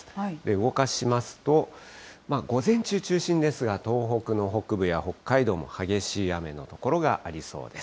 動かしますと、午前中中心ですが、東北の北部や北海道も激しい雨の所がありそうです。